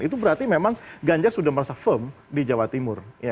itu berarti memang ganjar sudah merasa firm di jawa timur